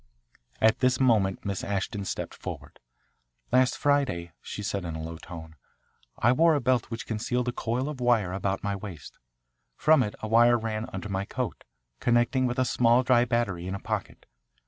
At this moment Miss Ashton stepped forward. "Last Friday," she said in a low tone, "I wore a belt which concealed a coil of wire about my waist. From it a wire ran under my coat, connecting with a small dry battery in a pocket.